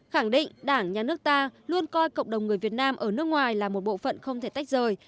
khẳng định đảng nhà nước ta luôn coi cộng đồng người việt nam ở nước ngoài là một bộ phận không thể tách rời